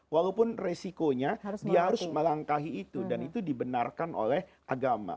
walaupun resikonya dia harus melangkahi itu dan itu dibenarkan oleh agama